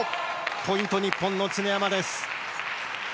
ポイント、日本の常山です。